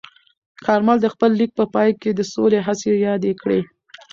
کارمل د خپل لیک په پای کې د سولې هڅې یادې کړې.